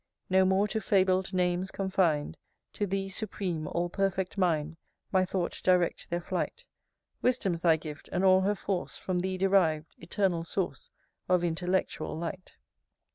XIV. No more to fabled names confin'd; To Thee supreme, all perfect mind, My thought direct their flight. Wisdom's thy gift, and all her force From thee deriv'd, Eternal source Of Intellectual Light!